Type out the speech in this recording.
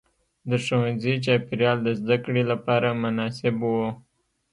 د ښوونځي چاپېریال د زده کړې لپاره مناسب و.